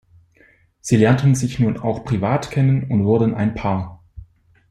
Sie lernten sich nun auch privat kennen und wurden ein Paar.